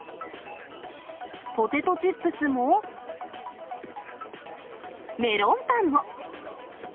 ポテトチップスも、メロンパンも。